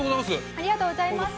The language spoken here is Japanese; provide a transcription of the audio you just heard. ありがとうございます。